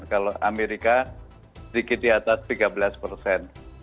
kalau amerika sedikit di atas tiga belas persen